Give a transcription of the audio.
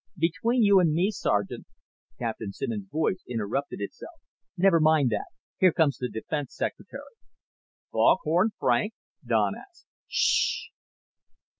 "Between you and me, Sergeant " Captain Simmons' voice interrupted itself. "Never mind that now. Here comes the Defense Secretary." "Foghorn Frank?" Don asked. "Sh."